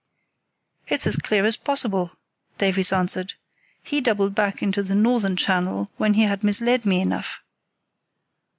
"It's as clear as possible," Davies answered. "He doubled back into the northern channel when he had misled me enough.